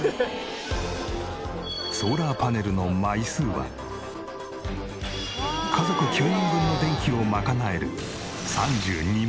ソーラーパネルの枚数は家族９人分の電気を賄える。